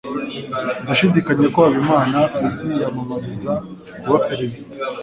Ndashidikanya ko Habimana aziyamamariza kuba perezida.